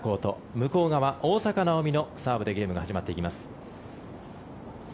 向こう側、大坂なおみのサーブでゲームが始まっていきます。